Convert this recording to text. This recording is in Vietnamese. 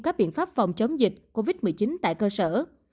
các biện pháp phòng chống dịch covid một mươi chín tại cơ sở